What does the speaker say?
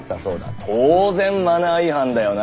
当然マナー違反だよな。